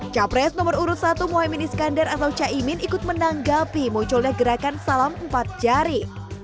capres nomor urut satu mohaimin iskandar atau caimin ikut menanggapi munculnya gerakan salam empat jari